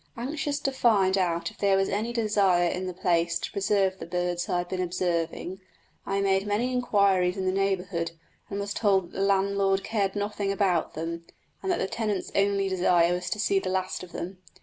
Anxious to find out if there was any desire in the place to preserve the birds I had been observing, I made many inquiries in the neighbourhood, and was told that the landlord cared nothing about them, and that the tenant's only desire was to see the last of them.